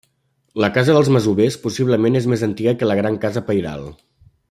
La casa dels masovers possiblement és més antiga que la gran casa pairal.